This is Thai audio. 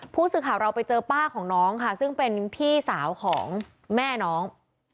ผู้สื่อข่าวเราไปเจอป้าของน้องค่ะซึ่งเป็นพี่สาวของแม่น้อง